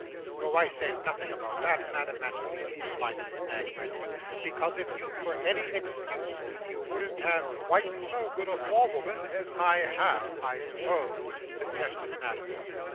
'Oh, I say nothing about that, Madame Mantalini,' replied Miss Knag, reddening; 'because if youth were any excuse, you wouldn't have ' 'Quite so good a forewoman as I have, I suppose,' suggested Madame.